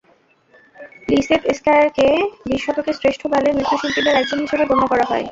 প্লিসেৎস্কায়াকে বিশ শতকের শ্রেষ্ঠ ব্যালে নৃত্যশিল্পীদের একজন হিসেবে গণ্য করা হয়।